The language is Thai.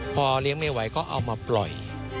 พอเลี้ยงไม่ไหวก็เอามาปล่อย